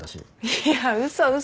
いや嘘嘘。